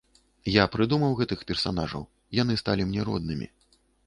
Я прыдумаў гэтых персанажаў, яны сталі мне роднымі.